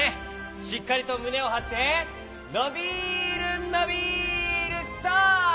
しっかりとむねをはってのびるのびるストップ！